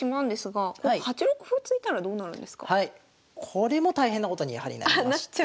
これも大変なことにやはりなりまして。